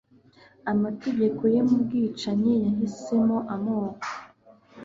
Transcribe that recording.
Amategeko ye mubwicanyi yahisemo amoko